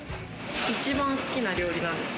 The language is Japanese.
一番好きな料理なんですか？